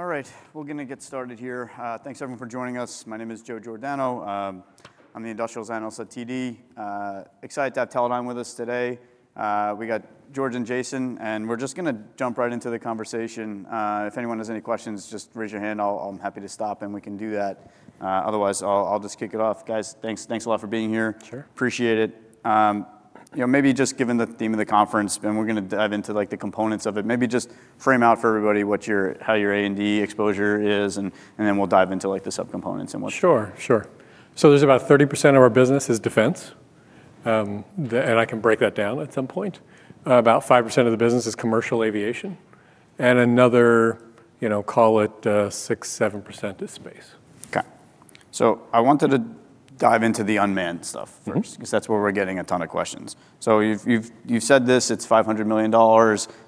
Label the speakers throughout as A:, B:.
A: All right, we're gonna get started here. Thanks, everyone, for joining us. My name is Joe Giordano. I'm the Industrial Analyst at TD. Excited to have Teledyne with us today. We got George and Jason, and we're just gonna jump right into the conversation. If anyone has any questions, just raise your hand. I'm happy to stop, and we can do that. Otherwise, I'll just kick it off. Guys, thanks a lot for being here.
B: Sure.
A: Appreciate it. You know, maybe just given the theme of the conference, and we're gonna dive into, like, the components of it. Maybe just frame out for everybody what your- how your A&D exposure is, and, and then we'll dive into, like, the subcomponents and what-
B: Sure, sure. So there's about 30% of our business is defense. And I can break that down at some point. About 5% of the business is commercial aviation, and another, you know, call it, 6%-7% is space.
A: Okay. So I wanted to dive into the unmanned stuff first-
B: Mm...
A: 'cause that's where we're getting a ton of questions. So you've said this, it's $500 million.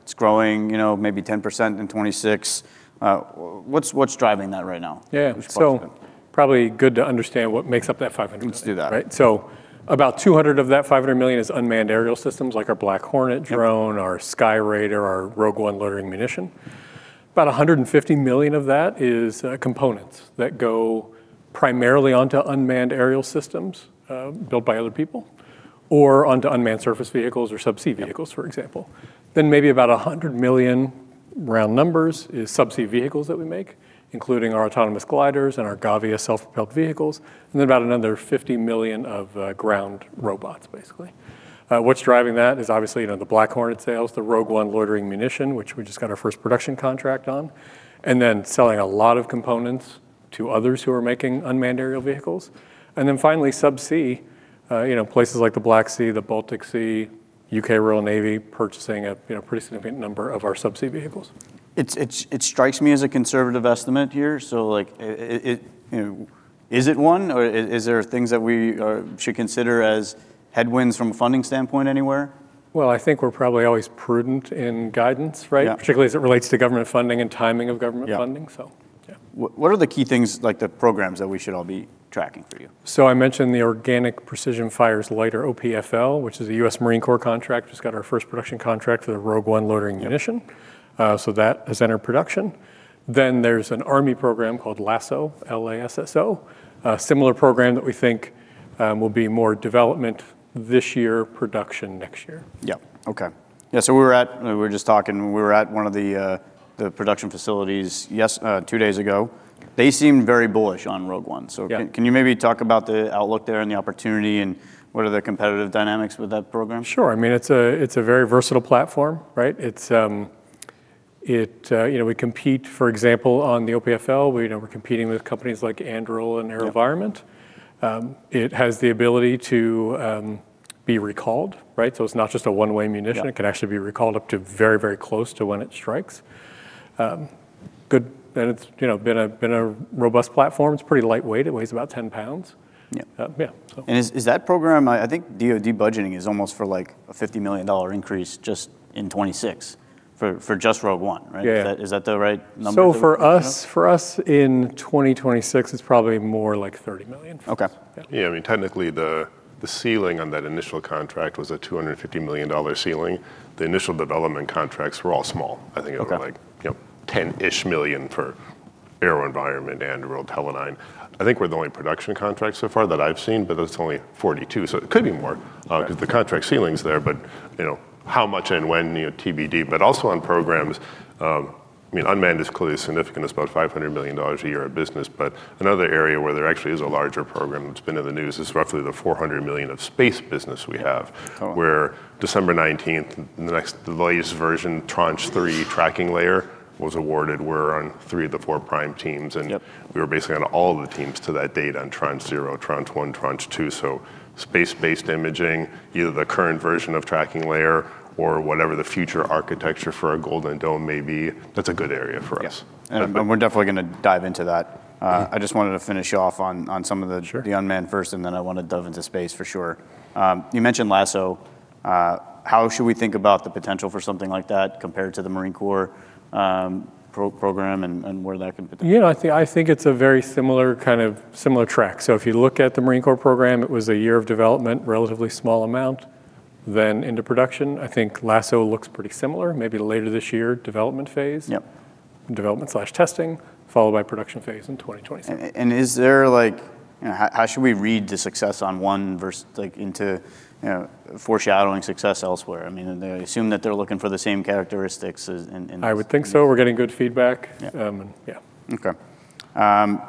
A: It's growing, you know, maybe 10% in 2026. What's driving that right now?
B: Yeah.
A: Which parts of it?
B: Probably good to understand what makes up that 500-
A: Let's do that.
B: Right. So about $200 million of that $500 million is unmanned aerial systems, like our Black Hornet drone-
A: Yep...
B: our SkyRaider, our Rogue 1 loitering munition. About $150 million of that is components that go primarily onto unmanned aerial systems, built by other people, or onto unmanned surface vehicles or subsea vehicles-
A: Yep...
B: for example. Then maybe about $100 million, round numbers, is subsea vehicles that we make, including our autonomous gliders and our Gavia self-propelled vehicles, and then about another $50 million of ground robots, basically. What's driving that is obviously, you know, the Black Hornet sales, the Rogue 1 loitering munition, which we just got our first production contract on, and then selling a lot of components to others who are making unmanned aerial vehicles. And then finally, subsea, you know, places like the Black Sea, the Baltic Sea, UK Royal Navy, purchasing a, you know, pretty significant number of our subsea vehicles.
A: It strikes me as a conservative estimate here, so, like, it, you know... Is it one, or is there things that we should consider as headwinds from a funding standpoint anywhere?
B: Well, I think we're probably always prudent in guidance, right?
A: Yeah.
B: Particularly as it relates to government funding and timing of government funding.
A: Yeah.
B: So, yeah.
A: What, what are the key things, like the programs that we should all be tracking for you?
B: I mentioned the Organic Precision Fires-Light, or OPF-L, which is a U.S. Marine Corps contract. Just got our first production contract for the Rogue 1 loitering munition.
A: Yep.
B: So that has entered production. Then there's an Army program called LASSO, L-A-S-S-O. Similar program that we think will be more development this year, production next year.
A: Yeah. Okay. Yeah, so we were just talking, we were at one of the production facilities, yes, two days ago. They seemed very bullish on Rogue 1.
B: Yeah.
A: Can you maybe talk about the outlook there and the opportunity, and what are the competitive dynamics with that program?
B: Sure. I mean, it's a very versatile platform, right? It's you know we compete, for example, on the OPF-L. We you know we're competing with companies like Anduril and AeroVironment.
A: Yeah.
B: It has the ability to be recalled, right? So it's not just a one-way munition.
A: Yeah.
B: It can actually be recalled up to very, very close to when it strikes. Good, and it's, you know, been a robust platform. It's pretty lightweight. It weighs about 10 lbs.
A: Yeah.
B: Yeah, so.
A: Is that program... I think DoD budgeting is almost for, like, a $50 million increase just in 2026 for just Rogue 1, right?
B: Yeah.
A: Is that, is that the right number?
B: For us, for us in 2026, it's probably more like $30 million.
A: Okay.
B: Yeah.
C: Yeah, I mean, technically, the ceiling on that initial contract was a $250 million ceiling. The initial development contracts were all small.
A: Okay.
C: I think it was like, you know, $10-ish million for AeroVironment, Anduril, Teledyne. I think we're the only production contract so far that I've seen, but that's only 42, so it could be more-
A: Right...
C: 'cause the contract ceiling's there. But, you know, how much and when, you know, TBD. But also on programs, I mean, unmanned is clearly significant. It's about $500 million a year of business. But another area where there actually is a larger program that's been in the news is roughly the $400 million of space business we have.
A: Oh.
C: On December 19th, the latest version, Tranche 3 Tracking Layer, was awarded. We're on three of the four prime teams, and-
A: Yep...
C: we were basically on all of the teams to that date on Tranche 0, Tranche 1, Tranche 2. So space-based imaging, either the current version of Tracking Layer or whatever the future architecture for a Golden Dome may be, that's a good area for us.
A: Yeah.
C: Yeah.
A: And, we're definitely gonna dive into that.
C: Mm-hmm.
A: I just wanted to finish off on, on some of the-
B: Sure...
A: the unmanned first, and then I wanna dive into space for sure. You mentioned LASSO. How should we think about the potential for something like that compared to the Marine Corps program and where that can potentially-
B: You know, I think, I think it's a very similar kind of similar track. So if you look at the Marine Corps program, it was a year of development, relatively small amount, then into production. I think LASSO looks pretty similar, maybe later this year, development phase.
A: Yep.
B: Development/testing, followed by production phase in 2026.
A: And is there, like, you know, how, how should we read the success on one versus like, into, you know, foreshadowing success elsewhere? I mean, I assume that they're looking for the same characteristics as in, in this-
B: I would think so. We're getting good feedback.
A: Yeah.
B: Um, yeah.
A: Okay.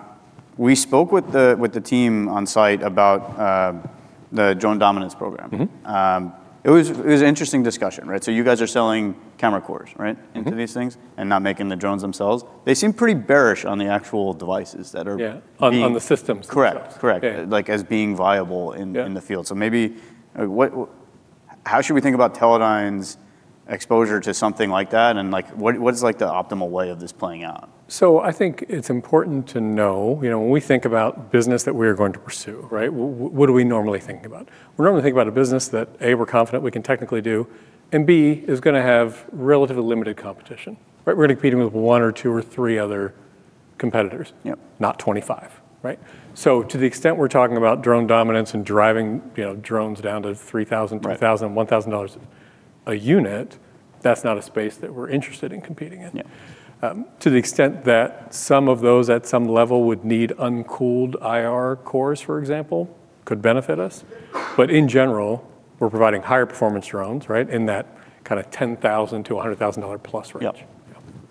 A: We spoke with the team on-site about the Drone Dominance Program.
B: Mm-hmm.
A: It was an interesting discussion, right? So you guys are selling camera cores, right-
B: Mm-hmm...
A: into these things and not making the drones themselves. They seem pretty bearish on the actual devices that are-
B: Yeah...
A: being-
B: On the systems.
A: Correct, correct.
B: Yeah.
A: Like, as being viable in-
B: Yeah...
A: in the field. So maybe, how should we think about Teledyne's exposure to something like that, and like, what is, like, the optimal way of this playing out?
B: So I think it's important to know, you know, when we think about business that we're going to pursue, right, what do we normally think about? We normally think about a business that, A, we're confident we can technically do, and B, is gonna have relatively limited competition, right? We're gonna be competing with one or two or three other competitors.
A: Yep.
B: Not 25, right? So to the extent we're talking about drone dominance and driving, you know, drones down to 3,000-
A: Right...
B: $2,000-$1,000 a unit, that's not a space that we're interested in competing in.
A: Yeah.
B: To the extent that some of those at some level would need uncooled IR cores, for example, could benefit us. But in general, we're providing higher performance drones, right? In that kind of $10,000-$100,000+ range.
A: Yep.
B: Yep.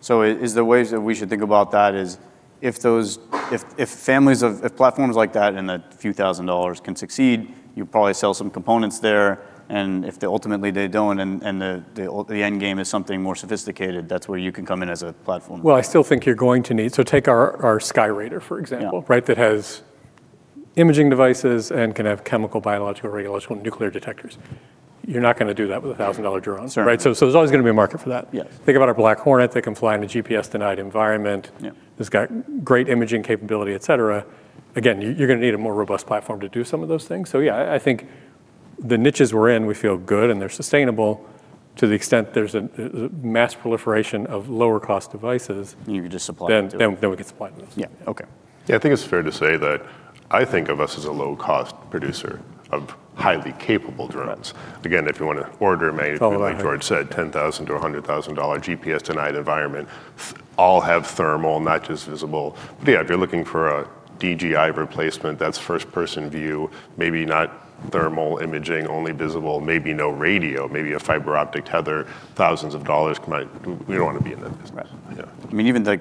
A: So is there ways that we should think about that is if those, if families of platforms like that in a few thousand dollars can succeed, you'll probably sell some components there, and if they ultimately they don't, and the end game is something more sophisticated, that's where you can come in as a platform.
B: Well, I still think you're going to need... So take our SkyRaider, for example-
A: Yeah...
B: right, that has imaging devices and can have chemical, biological, radiological and nuclear detectors. You're not going to do that with a $1,000 drone.
A: Sure.
B: Right? So, so there's always going to be a market for that.
A: Yes.
B: Think about our Black Hornet that can fly in a GPS-denied environment.
A: Yeah.
B: It's got great imaging capability, et cetera. Again, you're going to need a more robust platform to do some of those things. So yeah, I think the niches we're in, we feel good, and they're sustainable to the extent there's a mass proliferation of lower cost devices-
A: You can just supply them....
B: then we can supply those.
A: Yeah. Okay.
C: Yeah, I think it's fair to say that I think of us as a low-cost producer of highly capable drones.
B: Right.
C: Again, if you want to order maybe-
B: It's all about-
C: Like George said, $10,000-$100,000 GPS-denied environment. FLIR. All have thermal, not just visible. But yeah, if you're looking for a DJI replacement, that's first-person view, maybe not thermal imaging, only visible, maybe no radio, maybe a fiber optic tether, thousands of dollars might - we don't want to be in that business.
A: Right.
C: Yeah.
A: I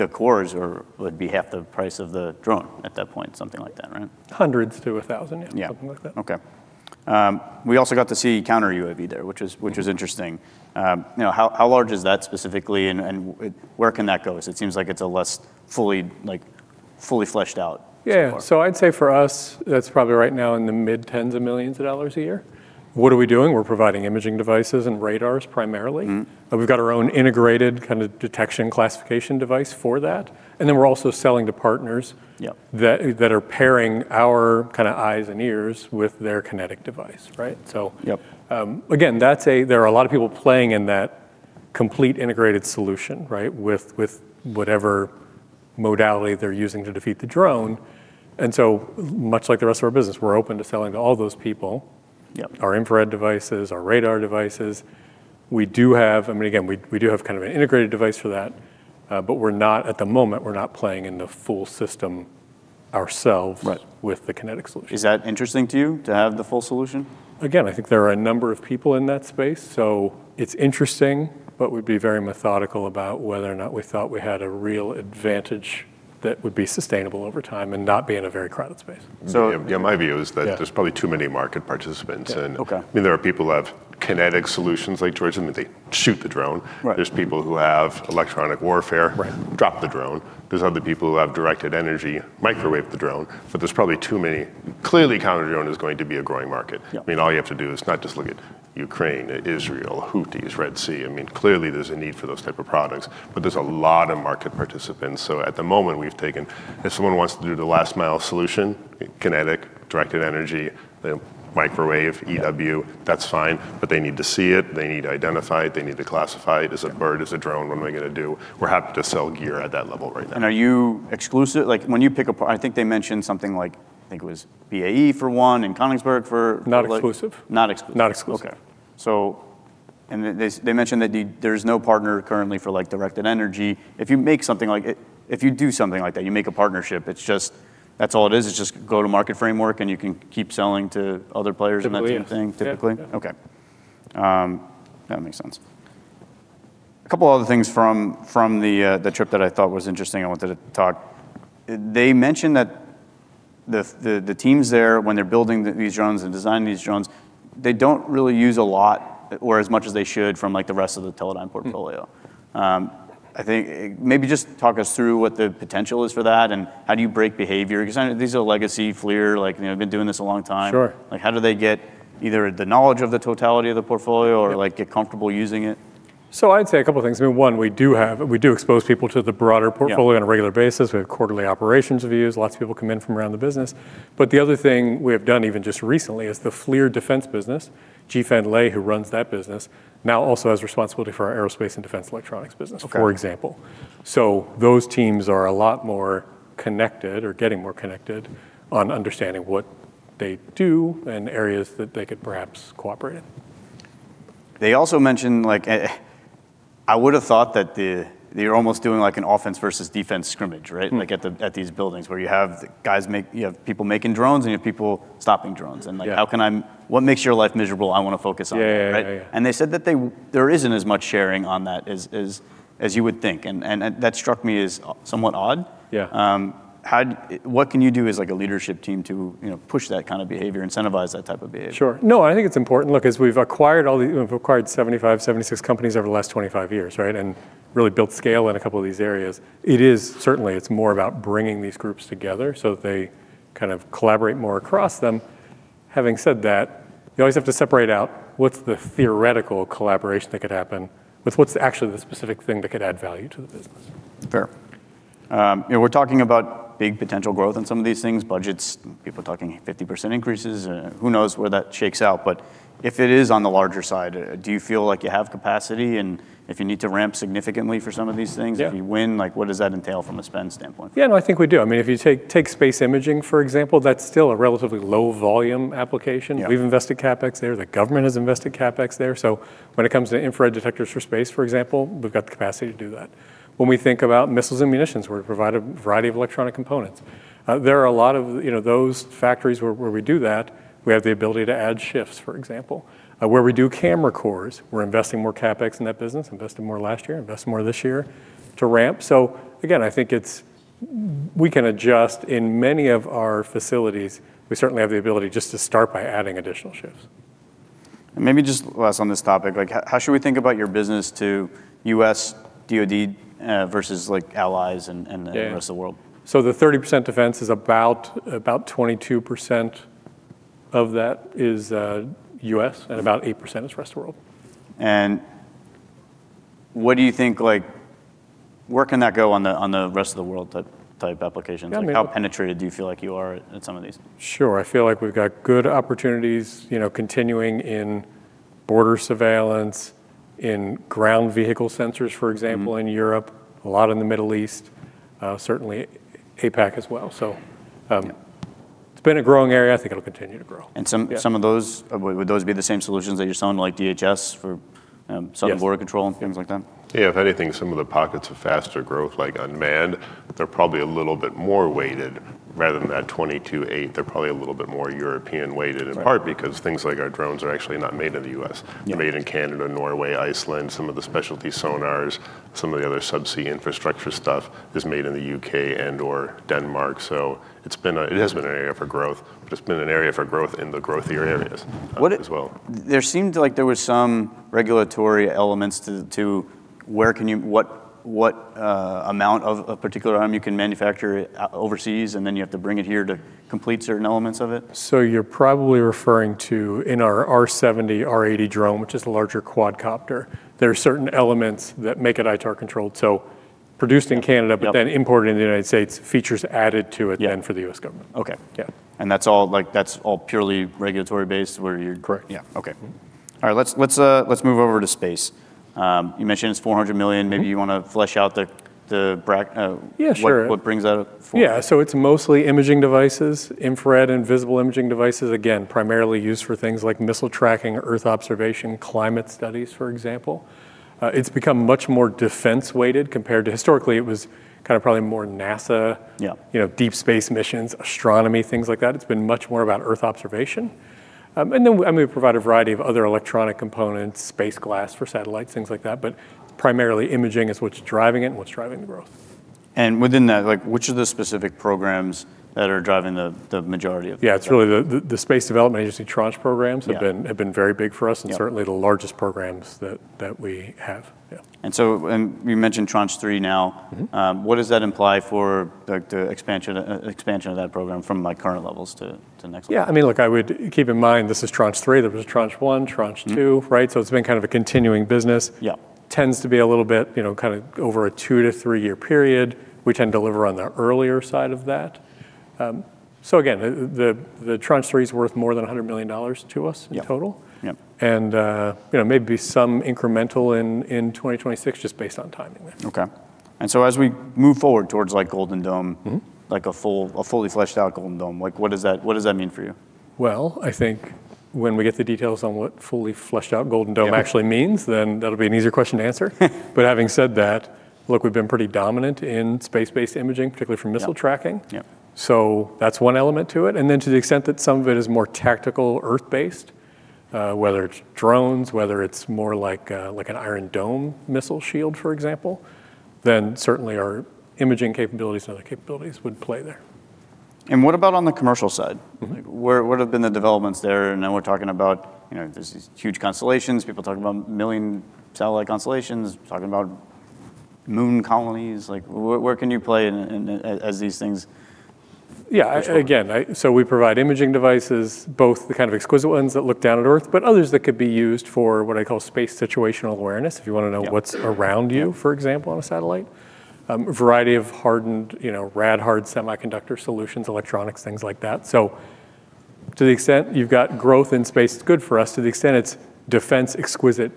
A: mean, even the cores are, would be half the price of the drone at that point, something like that, right?
B: 100s-1,000.
A: Yeah.
B: Something like that.
A: Okay. We also got to see counter-UAV there, which is-
B: Mm...
A: which is interesting. Now, how large is that specifically, and where can that go? 'Cause it seems like it's a less fully, like, fully fleshed out.
B: Yeah.
A: So-
B: I'd say for us, that's probably right now in the mid-10s of millions of dollars a year. What are we doing? We're providing imaging devices and radars primarily.
A: Mm.
B: We've got our own integrated kind of detection classification device for that, and then we're also selling to partners-
A: Yep...
B: that are pairing our kind of eyes and ears with their kinetic device, right? So-
A: Yep...
B: again, that's, there are a lot of people playing in that complete integrated solution, right? With whatever modality they're using to defeat the drone. And so much like the rest of our business, we're open to selling to all those people.
A: Yep.
B: Our infrared devices, our radar devices. We do have, I mean, again, we, we do have kind of an integrated device for that, but we're not, at the moment, we're not playing in the full system ourselves-
A: Right...
B: with the kinetic solution.
A: Is that interesting to you, to have the full solution?
B: Again, I think there are a number of people in that space, so it's interesting, but we'd be very methodical about whether or not we thought we had a real advantage that would be sustainable over time and not be in a very crowded space.
C: Yeah, my view is that-
B: Yeah...
C: there's probably too many market participants.
B: Yeah. Okay.
C: I mean, there are people who have kinetic solutions like George, and they shoot the drone.
B: Right.
C: There's people who have electronic warfare-
B: Right...
C: drop the drone. There's other people who have directed energy, microwave the drone. But there's probably too many. Clearly, counter-drone is going to be a growing market.
B: Yep.
C: I mean, all you have to do is not just look at Ukraine, Israel-
B: Mm...
C: Houthis, Red Sea. I mean, clearly, there's a need for those type of products, but there's a lot of market participants. So at the moment, we've taken, if someone wants to do the last mile solution, kinetic, directed energy, the microwave, EW-
B: Yeah...
C: that's fine, but they need to see it, they need to identify it, they need to classify it.
B: Yeah.
C: Is it a bird, is it a drone? What am I gonna do? We're happy to sell gear at that level right now.
A: Are you exclusive? Like, when you pick a pa- I think they mentioned something like, I think it was BAE for one and Kongsberg for-
B: Not exclusive.
A: Not exclusive.
B: Not exclusive.
A: Okay. So, and they, they mentioned that you, there's no partner currently for, like, directed energy. If you make something like... If you do something like that, you make a partnership, it's just, that's all it is? It's just go-to-market framework, and you can keep selling to other players-
B: Typically...
A: and that type of thing, typically?
B: Yeah.
A: Okay. That makes sense. A couple other things from the trip that I thought was interesting and wanted to talk. They mentioned that the teams there, when they're building these drones and designing these drones, they don't really use a lot, or as much as they should, from, like, the rest of the Teledyne portfolio.
B: Mm.
A: I think, maybe just talk us through what the potential is for that, and how do you break behavior? 'Cause I know these are legacy, FLIR, like, you know, been doing this a long time.
B: Sure.
A: Like, how do they get either the knowledge of the totality of the portfolio?
B: Yep...
A: or, like, get comfortable using it?
B: So I'd say a couple things. I mean, one, we do have, we do expose people to the broader portfolio-
A: Yeah...
B: on a regular basis. We have quarterly operations reviews. Lots of people come in from around the business. But the other thing we have done, even just recently, is the FLIR defense business. JihFen Lei, who runs that business, now also has responsibility for our aerospace and defense electronics business-
A: Okay...
B: for example. So those teams are a lot more connected, or getting more connected, on understanding what they do and areas that they could perhaps cooperate in.
A: They also mentioned, like, I would have thought that the, they're almost doing like an offense versus defense scrimmage, right?
B: Mm.
A: Like at these buildings, where you have people making drones, and you have people stopping drones.
B: Yeah.
A: Like, how can I...? What makes your life miserable? I wanna focus on it.
B: Yeah, yeah, yeah.
A: Right? And they said that there isn't as much sharing on that as you would think, and that struck me as somewhat odd.
B: Yeah.
A: How, what can you do as, like, a leadership team to, you know, push that kind of behavior, incentivize that type of behavior?
B: Sure. No, I think it's important. Look, as we've acquired all the, we've acquired 75, 76 companies over the last 25 years, right? And really built scale in a couple of these areas. It is, certainly, it's more about bringing these groups together so that they kind of collaborate more across them. Having said that, you always have to separate out what's the theoretical collaboration that could happen with what's actually the specific thing that could add value to the business.
A: You know, we're talking about big potential growth in some of these things, budgets, people talking 50% increases. Who knows where that shakes out? But if it is on the larger side, do you feel like you have capacity, and if you need to ramp significantly for some of these things-
B: Yeah...
A: if you win, like, what does that entail from a spend standpoint?
B: Yeah, no, I think we do. I mean, if you take space imaging, for example, that's still a relatively low-volume application.
A: Yeah.
B: We've invested CapEx there. The government has invested CapEx there. So when it comes to infrared detectors for space, for example, we've got the capacity to do that. When we think about missiles and munitions, we provide a variety of electronic components. There are a lot of, you know, those factories where we do that, we have the ability to add shifts, for example. Where we do camera cores, we're investing more CapEx in that business, invested more last year, invest more this year to ramp. So again, I think it's we can adjust in many of our facilities. We certainly have the ability just to start by adding additional shifts.
A: And maybe just last on this topic, like, how should we think about your business to U.S. DoD versus, like, and, and-
B: Yeah...
A: the Rest of the World?
B: The 30% defense is about, about 22% of that is U.S., and about 8% is the Rest of the World.
A: What do you think, like, where can that go on the Rest of the World type applications?
B: Yeah, I mean-
A: Like, how penetrated do you feel like you are in some of these?
B: Sure. I feel like we've got good opportunities, you know, continuing in border surveillance, in ground vehicle sensors, for example-
A: Mm...
B: in Europe, a lot in the Middle East, certainly APAC as well. So,
A: Yeah...
B: it's been a growing area. I think it'll continue to grow.
A: And some-
B: Yeah...
A: some of those, would those be the same solutions that you're selling to, like, DHS for?
B: Yes...
A: southern border control and things like that?
C: Yeah, if anything, some of the pockets of faster growth, like unmanned, they're probably a little bit more weighted. Rather than that 22/8, they're probably a little bit more European-weighted-
B: Right...
C: in part because things like our drones are actually not made in the U.S.
B: Yeah.
C: They're made in Canada, Norway, Iceland. Some of the specialty sonars, some of the other subsea infrastructure stuff is made in the UK and/or Denmark. So it's been, it has been an area for growth, but it's been an area for growth in the growthier areas.
B: Mm...
C: as well.
A: There seemed like there was some regulatory elements to where can you what amount of a particular item you can manufacture overseas, and then you have to bring it here to complete certain elements of it.
B: So you're probably referring to in our R70, R80 drone, which is a larger quadcopter, there are certain elements that make it ITAR-controlled, so produced in Canada-
A: Yeah. Yep...
B: but then imported in the United States, features added to it-
A: Yeah...
B: then for the U.S. government.
A: Okay.
B: Yeah.
A: That's all, like, that's all purely regulatory-based, where you're-
B: Correct.
A: Yeah. Okay.
B: Mm-hmm.
A: All right, let's move over to space. You mentioned it's $400 million.
B: Mm-hmm.
A: Maybe you wanna flesh out the brand.
B: Yeah, sure...
A: what, what brings that up for you?
B: Yeah, so it's mostly imaging devices, infrared and visible imaging devices, again, primarily used for things like missile tracking, earth observation, climate studies, for example. It's become much more defense-weighted compared to historically, it was kinda probably more NASA-
A: Yeah...
B: you know, deep space missions, astronomy, things like that. It's been much more about earth observation. And then we provide a variety of other electronic components, space glass for satellites, things like that, but primarily imaging is what's driving it and what's driving the growth.
A: Within that, like, which of the specific programs that are driving the majority of the-
B: Yeah, it's really the Space Development Agency tranche programs-
A: Yeah...
B: have been very big for us-
A: Yeah...
B: and certainly the largest programs that we have. Yeah.
A: You mentioned Tranche 3 now.
B: Mm-hmm.
A: What does that imply for, like, the expansion of that program from, like, current levels to the next level?
B: Yeah. I mean, look, I would keep in mind, this is Tranche 3. There was Tranche 1, Tranche 2-
A: Mm-hmm...
B: right? It's been kind of a continuing business.
A: Yeah.
B: Tends to be a little bit, you know, kinda over a two to three-year period. We tend to deliver on the earlier side of that. So again, the Tranche 3 is worth more than $100 million to us.
A: Yeah...
B: in total.
A: Yeah.
B: You know, maybe some incremental in 2026 just based on timing there.
A: Okay. And so as we move forward towards, like, Golden Dome-
B: Mm-hmm...
A: like a fully fleshed-out Golden Dome, like, what does that mean for you?
B: Well, I think when we get the details on what fully fleshed-out Golden Dome-
A: Yeah...
B: actually means, then that'll be an easier question to answer. But having said that, look, we've been pretty dominant in space-based imaging, particularly for missile tracking.
A: Yeah. Yeah.
B: That's one element to it. Then, to the extent that some of it is more tactical Earth-based, whether it's drones, whether it's more like an Iron Dome missile shield, for example, then certainly our imaging capabilities and other capabilities would play there.
A: What about on the commercial side?
B: Mm-hmm.
A: Like, what have been the developments there? I know we're talking about, you know, there's these huge constellations, people talking about million satellite constellations, talking about moon colonies. Like, where can you play in a, as these things-
B: Yeah...
A: unfold?
B: Again, so we provide imaging devices, both the kind of exquisite ones that look down at Earth, but others that could be used for what I call space situational awareness, if you wanna know-
A: Yeah...
B: what's around you-
A: Yeah...
B: for example, on a satellite. Variety of hardened, you know, rad-hard semiconductor solutions, electronics, things like that. So to the extent you've got growth in space, it's good for us. To the extent it's defense-exquisite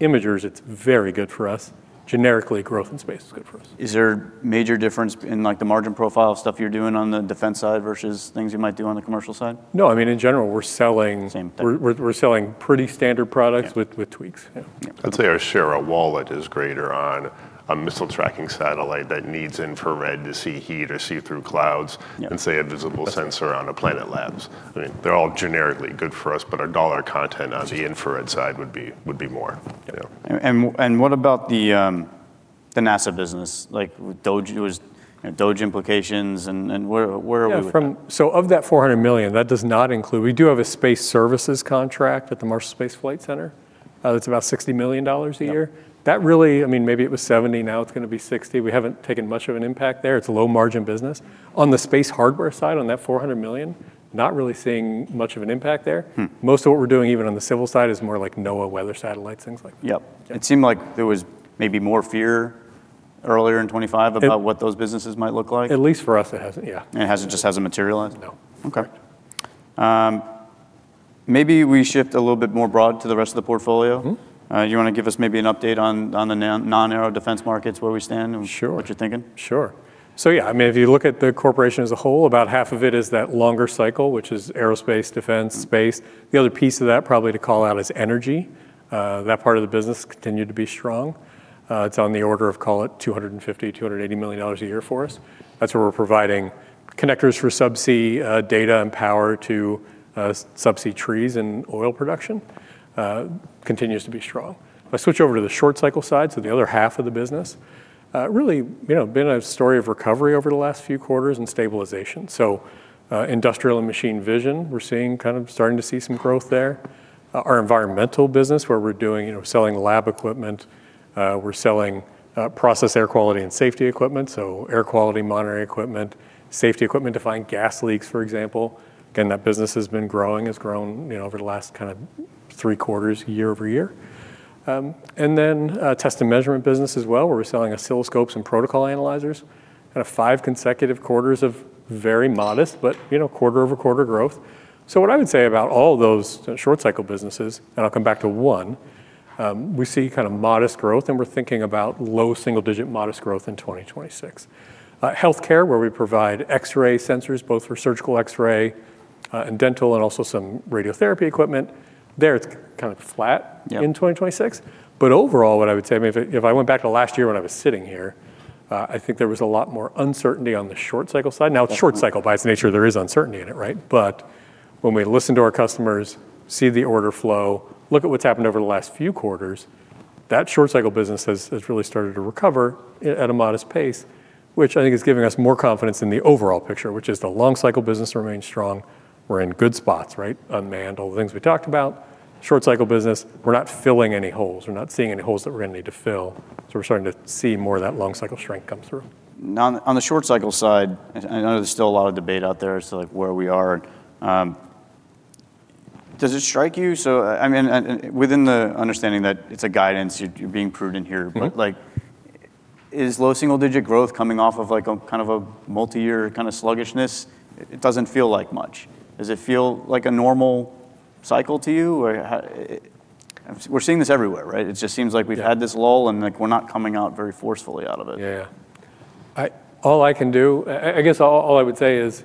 B: imagers, it's very good for us. Generically, growth in space is good for us.
A: Is there a major difference in, like, the margin profile of stuff you're doing on the defense side versus things you might do on the commercial side?
B: No. I mean, in general, we're selling-
A: Same thing...
B: we're selling pretty standard products-
A: Yeah...
B: with tweaks.
A: Yeah.
C: I'd say our share of wallet is greater on a missile tracking satellite that needs infrared to see heat or see through clouds-
A: Yeah...
C: than, say, a visible sensor-
A: Yeah...
C: on a Planet Labs. I mean, they're all generically good for us, but our dollar content on the infrared side would be, would be more, yeah.
A: What about the NASA business, like DOGE, you know, DOGE implications, and where are we with that?
B: Yeah, so of that $400 million, that does not include... We do have a space services contract at the Marshall Space Flight Center. It's about $60 million a year.
A: Yeah.
B: That really, I mean, maybe it was 70, now it's gonna be 60. We haven't taken much of an impact there. It's a low-margin business. On the space hardware side, on that $400 million, not really seeing much of an impact there.
A: Hmm.
B: Most of what we're doing, even on the civil side, is more like NOAA weather satellites, things like that.
A: Yep.
B: Yeah.
A: It seemed like there was maybe more fear earlier in 2025-
B: It-...
A: about what those businesses might look like.
B: At least for us, it hasn't. Yeah.
A: It hasn't, just hasn't materialized?
B: No.
A: Okay, maybe we shift a little bit more broad to the rest of the portfolio.
B: Mm-hmm.
A: You wanna give us maybe an update on, on the non-aero defense markets, where we stand?
B: Sure.
A: and what you're thinking?
B: Sure. So yeah, I mean, if you look at the corporation as a whole, about half of it is that longer cycle, which is aerospace, defense, space. The other piece of that probably to call out is energy. That part of the business continued to be strong. It's on the order of, call it, $250 million-$280 million a year for us. That's where we're providing connectors for subsea, data and power to, subsea trees and oil production. Continues to be strong. If I switch over to the short cycle side, so the other half of the business, really, you know, been a story of recovery over the last few quarters and stabilization. So, industrial and machine vision, we're seeing, kind of starting to see some growth there. Our environmental business, where we're doing, you know, selling lab equipment, we're selling, process, air quality and safety equipment, so air quality monitoring equipment, safety equipment to find gas leaks, for example, again, that business has been growing, has grown, you know, over the last kinda three quarters, year-over-year. And then, test and measurement business as well, where we're selling oscilloscopes and protocol analyzers. Kinda five consecutive quarters of very modest, but, you know, quarter-over-quarter growth. So what I would say about all those short cycle businesses, and I'll come back to one, we see kinda modest growth, and we're thinking about low single-digit modest growth in 2026. Healthcare, where we provide X-ray sensors, both for surgical X-ray, and dental, and also some radiotherapy equipment, there it's kind of flat-
A: Yeah...
B: in 2026. But overall, what I would say, I mean, if I went back to last year when I was sitting here, I think there was a lot more uncertainty on the short cycle side.
A: Yeah.
B: Now, it's short cycle, by its nature, there is uncertainty in it, right? But when we listen to our customers, see the order flow, look at what's happened over the last few quarters, that short cycle business has really started to recover at a modest pace, which I think is giving us more confidence in the overall picture, which is the long cycle business remains strong. We're in good spots, right? Unmanned, all the things we talked about. Short cycle business, we're not filling any holes. We're not seeing any holes that we're gonna need to fill, so we're starting to see more of that long cycle strength come through.
A: Now, on the short cycle side, I know there's still a lot of debate out there as to, like, where we are. Does it strike you...? So, I mean, within the understanding that it's a guidance, you're being prudent here-
B: Mm-hmm...
A: but, like, is low single-digit growth coming off of, like, a kind of a multi-year kinda sluggishness? It doesn't feel like much. Does it feel like a normal cycle to you? Or, how... We're seeing this everywhere, right? It just seems like we've-
B: Yeah...
A: had this lull, and like, we're not coming out very forcefully out of it.
B: Yeah. All I can do, I guess all I would say is,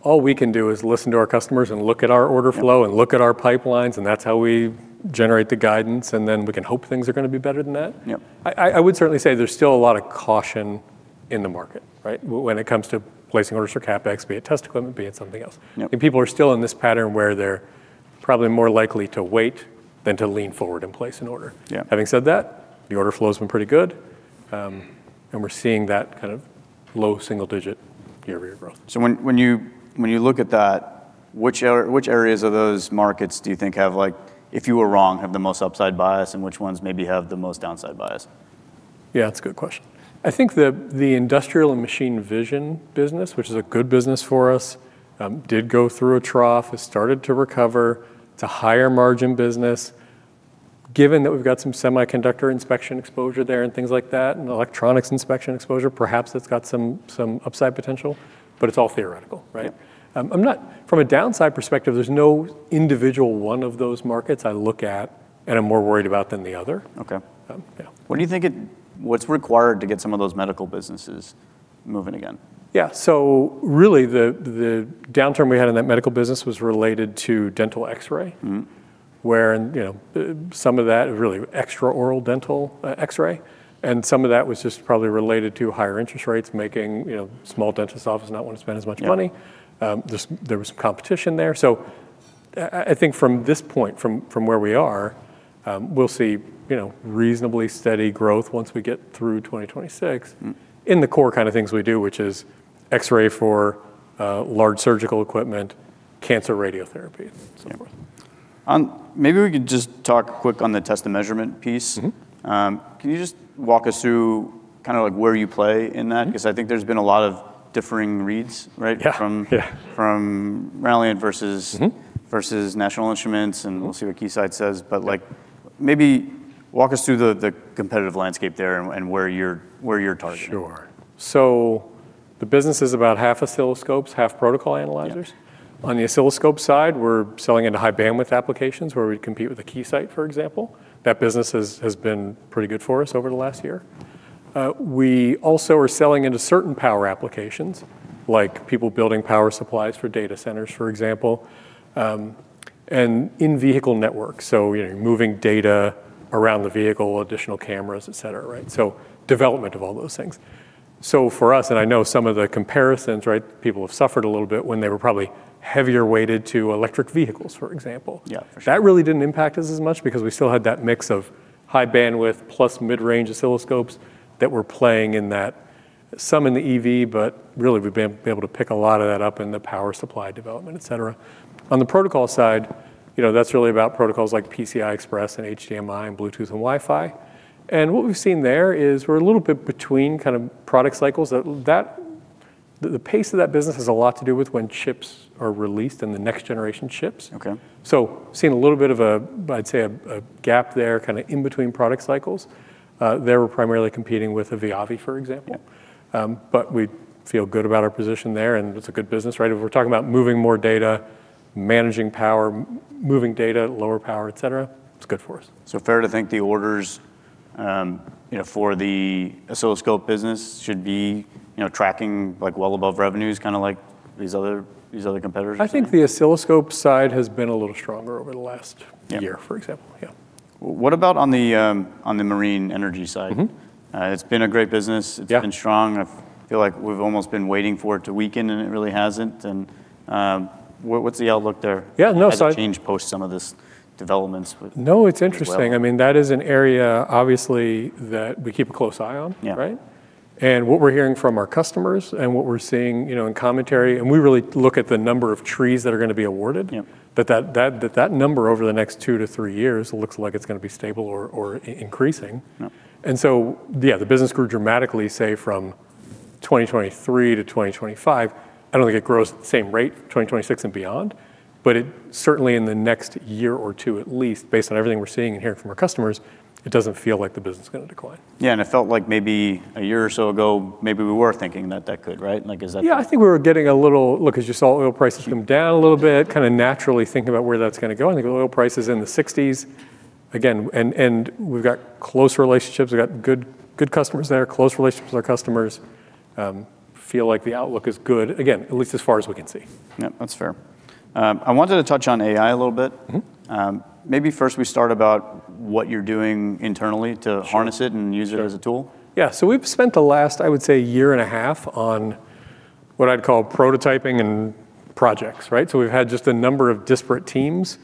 B: all we can do is listen to our customers and look at our order flow-
A: Yeah...
B: and look at our pipelines, and that's how we generate the guidance, and then we can hope things are gonna be better than that.
A: Yep.
B: I would certainly say there's still a lot of caution in the market, right? When it comes to placing orders for CapEx, be it test equipment, be it something else.
A: Yep.
B: I mean, people are still in this pattern where they're probably more likely to wait than to lean forward and place an order.
A: Yeah.
B: Having said that, the order flow's been pretty good, and we're seeing that kind of low single digit year-over-year growth.
A: So when you look at that, which areas of those markets do you think have, like, if you were wrong, have the most upside bias, and which ones maybe have the most downside bias?
B: Yeah, that's a good question. I think the industrial and machine vision business, which is a good business for us, did go through a trough. It started to recover. It's a higher margin business. Given that we've got some semiconductor inspection exposure there, and things like that, and electronics inspection exposure, perhaps it's got some upside potential, but it's all theoretical, right?
A: Yep.
B: From a downside perspective, there's no individual one of those markets I look at and I'm more worried about than the other.
A: Okay.
B: Um, yeah.
A: What's required to get some of those medical businesses moving again?
B: Yeah. So really, the downturn we had in that medical business was related to dental X-ray-
A: Mm-hmm...
B: where, and, you know, some of that is really extra-oral dental X-ray, and some of that was just probably related to higher interest rates, making, you know, small dentist offices not want to spend as much money.
A: Yeah.
B: There was competition there. So I think from this point, from where we are, we'll see, you know, reasonably steady growth once we get through 2026-
A: Mm...
B: in the core kinda things we do, which is X-ray for large surgical equipment, cancer radiotherapy, and so forth.
A: Yeah. Maybe we could just talk quick on the test and measurement piece.
B: Mm-hmm.
A: Can you just walk us through kinda like where you play in that?
B: Mm-hmm.
A: 'Cause I think there's been a lot of differing reads, right?
B: Yeah.
A: From-
B: Yeah...
A: from Rohde versus-
B: Mm-hmm...
A: versus National Instruments, and we'll see what Keysight says.
B: Yeah.
A: Like, maybe walk us through the competitive landscape there and where you're targeting.
B: Sure. The business is about half oscilloscopes, half protocol analyzers.
A: Yeah.
B: On the oscilloscope side, we're selling into high bandwidth applications, where we compete with the Keysight, for example. That business has been pretty good for us over the last year. We also are selling into certain power applications, like people building power supplies for data centers, for example, and in-vehicle networks, so, you know, moving data around the vehicle, additional cameras, et cetera, right? So development of all those things. So for us, and I know some of the comparisons, right, people have suffered a little bit when they were probably heavier weighted to electric vehicles, for example.
A: Yeah, for sure.
B: That really didn't impact us as much because we still had that mix of high bandwidth plus mid-range oscilloscopes that were playing in that, some in the EV, but really, we've been able to pick a lot of that up in the power supply development, et cetera. On the protocol side, you know, that's really about protocols like PCI Express and HDMI and Bluetooth and Wi-Fi, and what we've seen there is we're a little bit between kind of product cycles that... the pace of that business has a lot to do with when chips are released and the next generation chips.
A: Okay.
B: Seeing a little bit of a, I'd say, a gap there, kinda in between product cycles. There we're primarily competing with a VIAVI, for example.
A: Yeah.
B: But we feel good about our position there, and it's a good business, right? If we're talking about moving more data, managing power, moving data, lower power, et cetera, it's good for us.
A: So fair to think the orders, you know, for the oscilloscope business should be, you know, tracking, like, well above revenues, kinda like these other, these other competitors?
B: I think the oscilloscope side has been a little stronger over the last-
A: Yeah...
B: year, for example. Yeah.
A: What about on the, on the marine energy side?
B: Mm-hmm.
A: It's been a great business.
B: Yeah.
A: It's been strong. I feel like we've almost been waiting for it to weaken, and it really hasn't. And, what, what's the outlook there?
B: Yeah, no, so-
A: Any change post some of these developments with-
B: No, it's interesting.
A: With well.
B: I mean, that is an area, obviously, that we keep a close eye on.
A: Yeah.
B: Right? And what we're hearing from our customers and what we're seeing, you know, in commentary, and we really look at the number of trees that are gonna be awarded-
A: Yeah...
B: that number over the next two to three years looks like it's gonna be stable or increasing.
A: Yeah.
B: And so, yeah, the business grew dramatically, say, from 2023 to 2025. I don't think it grows at the same rate, 2026 and beyond, but it certainly in the next year or two at least, based on everything we're seeing and hearing from our customers, it doesn't feel like the business is gonna decline.
A: Yeah, and I felt like maybe a year or so ago, maybe we were thinking that that could, right? Like, is that-
B: Yeah, I think we were getting a little... Look, as you saw oil prices come down a little bit, kinda naturally thinking about where that's gonna go. I think oil price is in the $60s, again, and, and we've got close relationships. We've got good, good customers there, close relationships with our customers. Feel like the outlook is good, again, at least as far as we can see.
A: Yeah, that's fair. I wanted to touch on AI a little bit.
B: Mm-hmm.
A: Maybe first we start about what you're doing internally.
B: Sure...
A: to harness it and use it as a tool.
B: Yeah. So we've spent the last, I would say, year and a half on what I'd call prototyping and projects, right? So we've had just a number of disparate teams,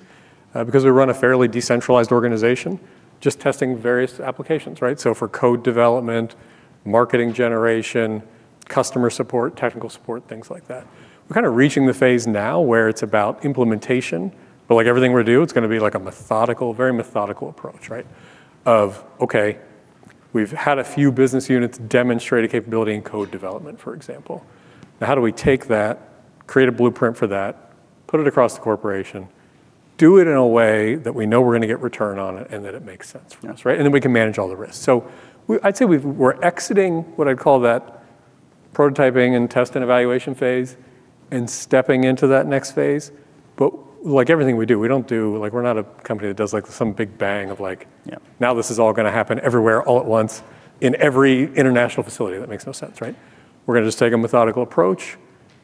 B: because we run a fairly decentralized organization, just testing various applications, right? So for code development, marketing generation, customer support, technical support, things like that. We're kinda reaching the phase now where it's about implementation, but like everything we do, it's gonna be like a methodical, very methodical approach, right? Of, okay, we've had a few business units demonstrate a capability in code development, for example. Now, how do we take that, create a blueprint for that, put it across the corporation, do it in a way that we know we're gonna get return on it, and that it makes sense for us?
A: Yeah.
B: Right, and then we can manage all the risks. So, I'd say we're exiting what I'd call that prototyping and test and evaluation phase and stepping into that next phase. But like everything we do, we don't do... Like, we're not a company that does, like, some big bang of like-
A: Yeah...
B: now this is all gonna happen everywhere, all at once, in every international facility. That makes no sense, right? We're gonna just take a methodical approach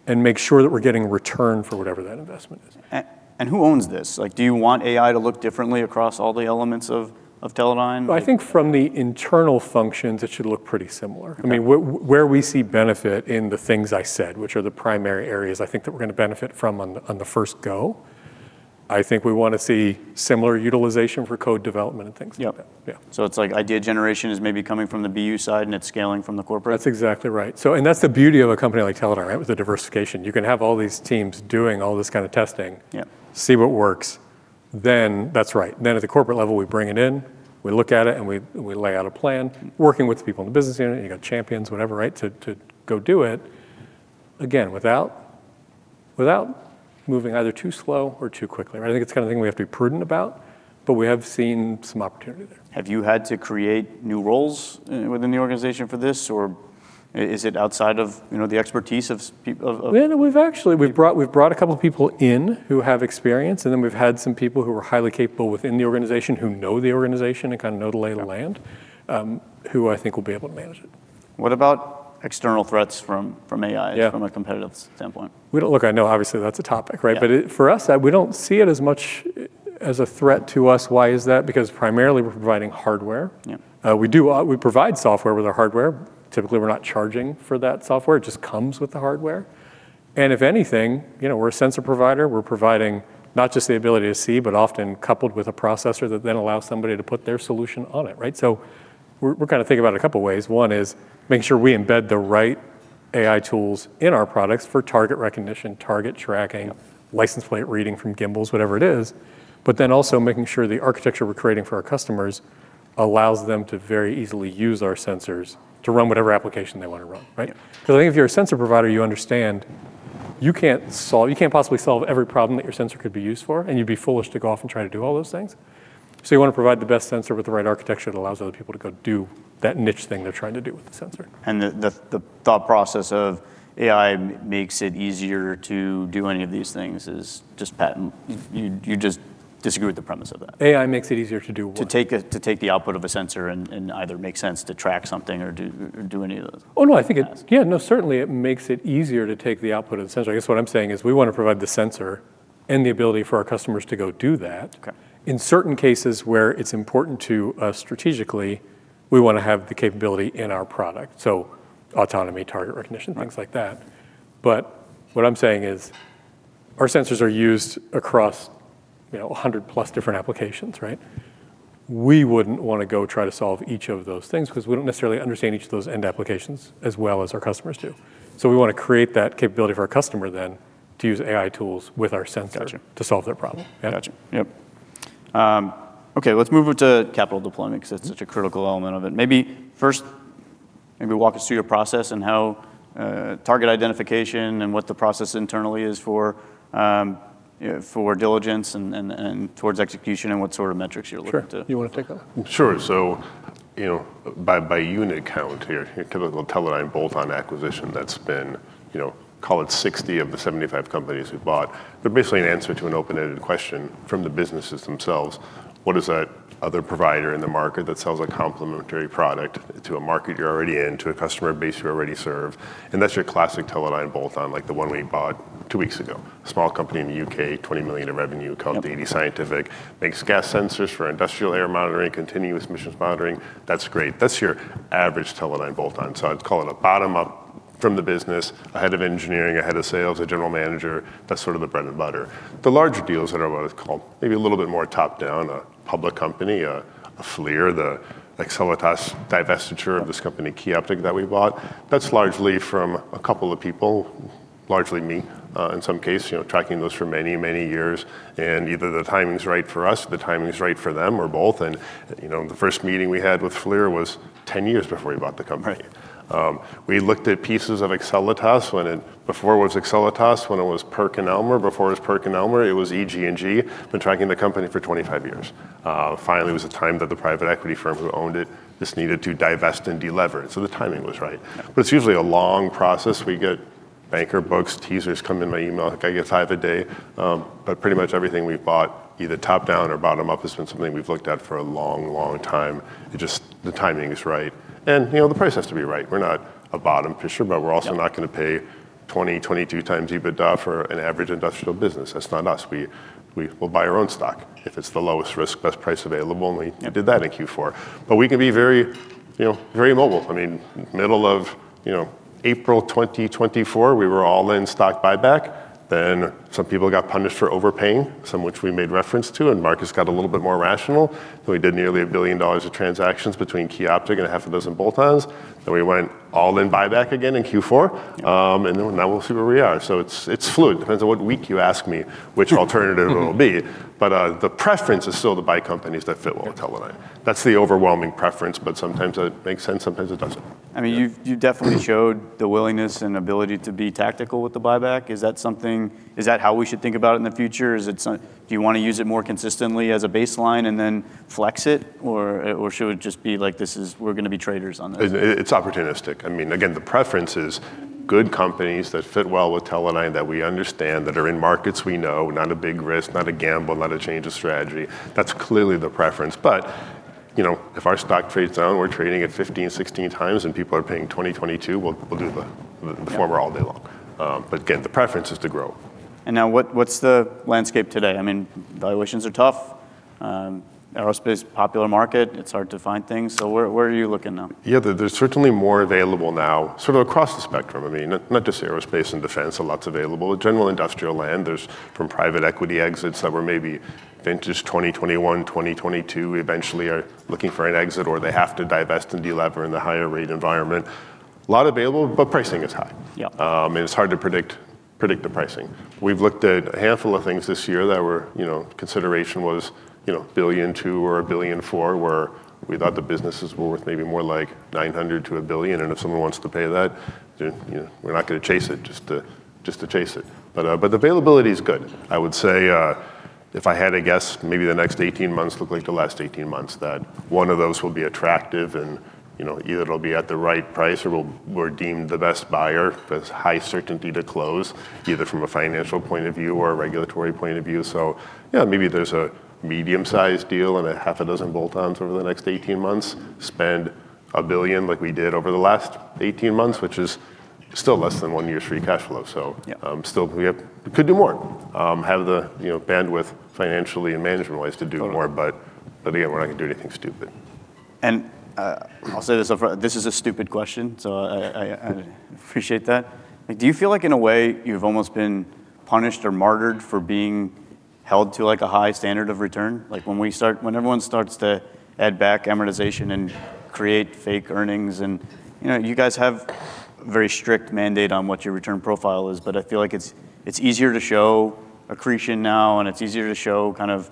B: and make sure that we're getting return for whatever that investment is.
A: Who owns this? Like, do you want AI to look differently across all the elements of Teledyne?
B: I think from the internal functions, it should look pretty similar.
A: Okay.
B: I mean, where we see benefit in the things I said, which are the primary areas I think that we're gonna benefit from on the first go. I think we wanna see similar utilization for code development and things like that.
A: Yep.
B: Yeah.
A: It's like idea generation is maybe coming from the BU side, and it's scaling from the corporate?
B: That's exactly right. So... that's the beauty of a company like Teledyne, right, with the diversification. You can have all these teams doing all this kind of testing-
A: Yeah...
B: see what works, then, that's right. Then at the corporate level, we bring it in, we look at it, and we lay out a plan. Working with the people in the business unit, you got champions, whatever, right, to go do it, again, without moving either too slow or too quickly, right? I think it's the kind of thing we have to be prudent about, but we have seen some opportunity there.
A: Have you had to create new roles within the organization for this, or is it outside of, you know, the expertise of?
B: Yeah, we've actually-
A: Yeah...
B: we've brought a couple people in who have experience, and then we've had some people who are highly capable within the organization, who know the organization and kind of know the lay of the land-
A: Yeah...
B: who I think will be able to manage it.
A: What about external threats from AI-
B: Yeah...
A: from a competitive standpoint?
B: Look, I know obviously that's a topic, right?
A: Yeah.
B: But it, for us, we don't see it as much as a threat to us. Why is that? Because primarily we're providing hardware.
A: Yeah.
B: We do, we provide software with our hardware. Typically, we're not charging for that software; it just comes with the hardware. And if anything, you know, we're a sensor provider. We're providing not just the ability to see, but often coupled with a processor that then allows somebody to put their solution on it, right? So we're kinda thinking about it a couple ways. One is making sure we embed the right AI tools in our products for target recognition, target tracking-
A: Yeah...
B: license plate reading from gimbals, whatever it is, but then also making sure the architecture we're creating for our customers allows them to very easily use our sensors to run whatever application they wanna run, right?
A: Yeah.
B: 'Cause I think if you're a sensor provider, you understand you can't possibly solve every problem that your sensor could be used for, and you'd be foolish to go off and try to do all those things. So you wanna provide the best sensor with the right architecture that allows other people to go do that niche thing they're trying to do with the sensor.
A: The thought process of AI makes it easier to do any of these things is just patent. You just disagree with the premise of that?
B: AI makes it easier to do what?
A: To take the output of a sensor and either make sense to track something or do any of those-
B: Oh, no, I think it-
A: tasks.
B: Yeah, no, certainly it makes it easier to take the output of the sensor. I guess what I'm saying is we wanna provide the sensor and the ability for our customers to go do that.
A: Okay.
B: In certain cases where it's important to us strategically, we wanna have the capability in our product, so autonomy, target recognition-
A: Mm...
B: things like that. But what I'm saying is, our sensors are used across, you know, 100+ different applications, right? We wouldn't wanna go try to solve each of those things because we don't necessarily understand each of those end applications as well as our customers do. So we wanna create that capability for our customer then to use AI tools with our sensor-
A: Gotcha...
B: to solve their problem.
A: Yeah.
B: Yeah.
A: Gotcha. Yep. Okay, let's move on to capital deployment, 'cause it's such a critical element of it. Maybe first, walk us through your process and how target identification and what the process internally is for, you know, for diligence, and towards execution, and what sort of metrics you're looking to.
B: Sure. You wanna take that?
C: Sure. So, you know, by unit count here, typical Teledyne bolt-on acquisition, that's been, you know, call it 60 of the 75 companies we've bought. But basically an answer to an open-ended question from the businesses themselves, what is that other provider in the market that sells a complementary product to a market you're already in, to a customer base you already serve? And that's your classic Teledyne bolt-on, like the one we bought two weeks ago. A small company in the U.K., $20 million in revenue, called DD-Scientific.
B: Yep.
C: Makes gas sensors for industrial air monitoring, continuous emissions monitoring. That's great. That's your average Teledyne bolt-on. So I'd call it a bottom up from the business, a head of engineering, a head of sales, a general manager. That's sort of the bread and butter. The larger deals that I would call maybe a little bit more top-down, a public company, a FLIR, the Excelitas divestiture of this company, Qioptiq, that we bought. That's largely from a couple of people, largely me, in some case, you know, tracking those for many, many years. And either the timing's right for us, the timing's right for them, or both, and you know, the first meeting we had with FLIR was 10 years before we bought the company.
A: Right.
C: We looked at pieces of Excelitas before it was Excelitas, when it was PerkinElmer, before it was PerkinElmer, it was EG&G. Been tracking the company for 25 years. Finally, it was a time that the private equity firm who owned it just needed to divest and de-lever, so the timing was right.
A: Yeah.
C: But it's usually a long process. We get banker books, teasers come in my email, like, I get five a day. But pretty much everything we've bought, either top-down or bottom-up, has been something we've looked at for a long, long time. It just, the timing is right. And, you know, the price has to be right. We're not a bottom fisher, but we're-
A: Yeah...
C: also not gonna pay 20-22x EBITDA for an average industrial business. That's not us. We'll buy our own stock if it's the lowest risk, best price available, and we-
A: Yeah...
C: did that in Q4. But we can be very, you know, very mobile. I mean, middle of, you know, April 2024, we were all-in stock buyback. Then some people got punished for overpaying, some which we made reference to, and markets got a little bit more rational, and we did nearly $1 billion of transactions between Qioptiq and a half of those in bolt-ons. Then we went all-in buyback again in Q4.
A: Yeah.
C: Now we'll see where we are. It's fluid. Depends on what week you ask me, which alternative it'll be. The preference is still to buy companies that fit well with Teledyne. That's the overwhelming preference, but sometimes it makes sense, sometimes it doesn't.
A: I mean, you've definitely showed the willingness and ability to be tactical with the buyback. Is that something, is that how we should think about it in the future? Is it something, do you wanna use it more consistently as a baseline and then flex it? Or should it just be like, this is... we're gonna be traders on this?
C: It's opportunistic. I mean, again, the preference is good companies that fit well with Teledyne, that we understand, that are in markets we know, not a big risk, not a gamble, not a change of strategy. That's clearly the preference. But, you know, if our stock trades down, we're trading at 15, 16 times, and people are paying 20, 22, we'll do the former all day long.
A: Yeah.
C: Again, the preference is to grow.
A: And now, what, what's the landscape today? I mean, valuations are tough. Aerospace, popular market, it's hard to find things, so where, where are you looking now?
C: Yeah, there's certainly more available now, sort of across the spectrum. I mean, not just aerospace and defense, a lot's available. General industrial land, there's from private equity exits that were maybe vintaged 2021, 2022, eventually are looking for an exit, or they have to divest and de-lever in the higher rate environment. A lot available, but pricing is high.
A: Yeah.
C: And it's hard to predict the pricing. We've looked at a handful of things this year that were, you know, consideration was, you know, $1.2 billion or $1.4 billion, where we thought the businesses were worth maybe more like $900 million-$1 billion. And if someone wants to pay that, then, you know, we're not gonna chase it just to, just to chase it. But, but the availability is good. I would say, if I had to guess, maybe the next 18 months look like the last 18 months, that one of those will be attractive and, you know, either it'll be at the right price or we'll- we're deemed the best buyer, that's high certainty to close, either from a financial point of view or a regulatory point of view. So yeah, maybe there's a medium-sized deal and a half a dozen bolt-ons over the next 18 months. Spend $1 billion like we did over the last 18 months, which is still less than one year's free cash flow, so-
A: Yeah...
C: still, could do more. Have the, you know, bandwidth financially and management-wise to do more.
A: Sure...
C: but again, we're not gonna do anything stupid.
A: And, I'll say this up front, this is a stupid question, so I appreciate that. Do you feel like, in a way, you've almost been punished or martyred for being held to, like, a high standard of return? Like, when we start, when everyone starts to add back amortization and create fake earnings, and, you know, you guys have very strict mandate on what your return profile is, but I feel like it's easier to show accretion now, and it's easier to show, kind of,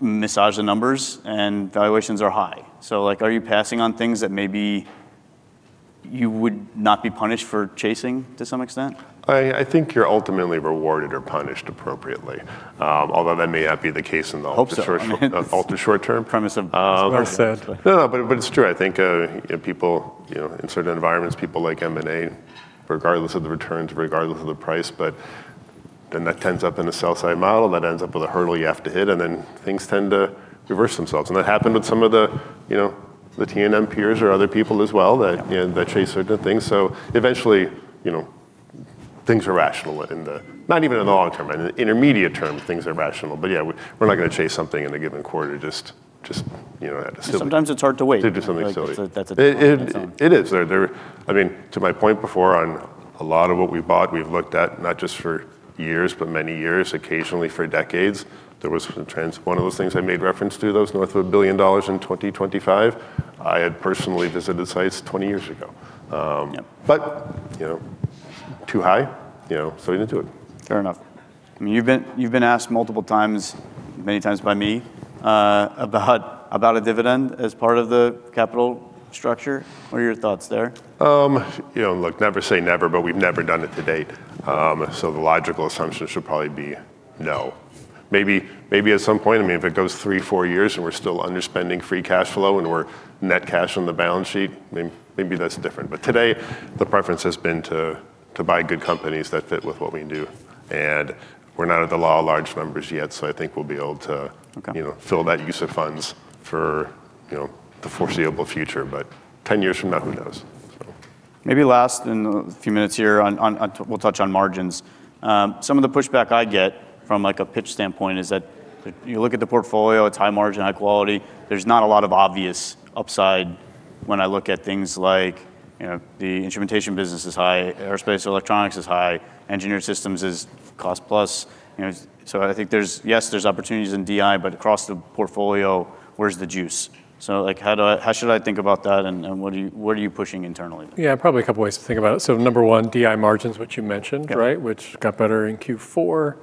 A: massage the numbers, and valuations are high. So, like, are you passing on things that maybe you would not be punished for chasing to some extent?
C: I think you're ultimately rewarded or punished appropriately. Although that may not be the case in the ultra short-
A: Hope so...
C: ultra short term.
A: Premise of-
B: Well said.
C: No, no, but, but it's true. I think, people, you know, in certain environments, people like M&A, regardless of the returns, regardless of the price, but then that ends up in a sell side model, that ends up with a hurdle you have to hit, and then things tend to reverse themselves. And that happened with some of the, you know, the T&M peers or other people as well, that, you know, that chase certain things. So eventually, you know, things are rational in the... not even in the long term, in the intermediate term, things are rational. But yeah, we're not gonna chase something in a given quarter just, just, you know, out of silly-
A: Sometimes it's hard to wait.
C: To do something silly.
A: That's a, that's a-
C: It is. I mean, to my point before on a lot of what we bought, we've looked at not just for years, but many years, occasionally for decades. There was one of those things I made reference to, those north of $1 billion in 2025, I had personally visited sites 20 years ago.
A: Yeah.
C: But, you know, too high, you know, so we didn't do it.
A: Fair enough. I mean, you've been asked multiple times, many times by me, about a dividend as part of the capital structure. What are your thoughts there?
C: You know, look, never say never, but we've never done it to date. So the logical assumption should probably be no. Maybe, maybe at some point, I mean, if it goes three, four years, and we're still underspending free cash flow, and we're net cash on the balance sheet, maybe that's different. But today, the preference has been to buy good companies that fit with what we do. And we're not at the law of large numbers yet, so I think we'll be able to-
A: Okay...
C: you know, fill that use of funds for, you know, the foreseeable future. But 10 years from now, who knows? So.
A: Maybe last in a few minutes here on we'll touch on margins. Some of the pushback I get from, like, a pitch standpoint is that you look at the portfolio, it's high margin, high quality. There's not a lot of obvious upside when I look at things like, you know, the instrumentation business is high, aerospace electronics is high, engineered systems is cost plus. You know, so I think there's, yes, there's opportunities in DI, but across the portfolio, where's the juice? So, like, how should I think about that, and what are you pushing internally?
B: Yeah, probably a couple ways to think about it. So number one, DI margins, which you mentioned, right?
A: Yeah.
B: Which got better in Q4,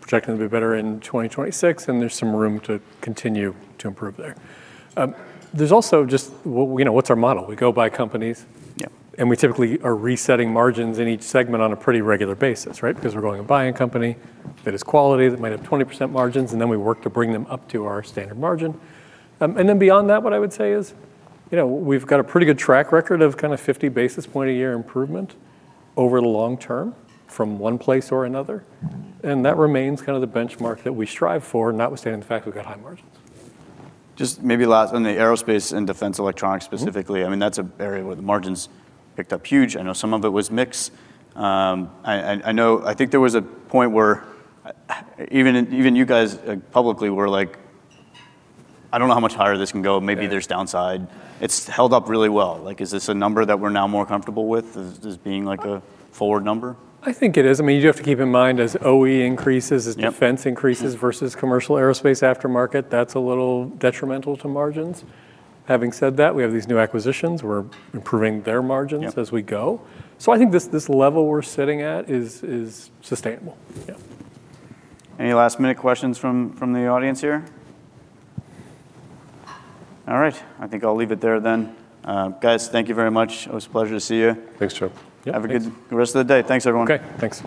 B: projecting to be better in 2026, and there's some room to continue to improve there. There's also just, well, you know, what's our model? We go buy companies-
A: Yeah...
B: and we typically are resetting margins in each segment on a pretty regular basis, right? Because we're going and buying a company that is quality, that might have 20% margins, and then we work to bring them up to our standard margin. And then beyond that, what I would say is, you know, we've got a pretty good track record of kinda 50 basis points a year improvement over the long term, from one place or another, and that remains kinda the benchmark that we strive for, notwithstanding the fact we've got high margins.
A: Just maybe last on the aerospace and defense electronics specifically-
B: Mm-hmm....
A: I mean, that's an area where the margins picked up huge. I know some of it was mix. I know, I think there was a point where even you guys publicly were like: I don't know how much higher this can go.
B: Yeah.
A: Maybe there's downside. It's held up really well. Like, is this a number that we're now more comfortable with as being, like, a forward number?
B: I think it is. I mean, you do have to keep in mind, as OE increases-
A: Yep...
B: as defense increases versus commercial aerospace aftermarket, that's a little detrimental to margins. Having said that, we have these new acquisitions. We're improving their margins-
A: Yep...
B: as we go. So I think this level we're sitting at is sustainable.
A: Yeah. Any last-minute questions from, from the audience here? All right, I think I'll leave it there then. Guys, thank you very much. It was a pleasure to see you.
C: Thanks, Joe.
A: Have a good rest of the day. Thanks, everyone.
B: Okay, thanks.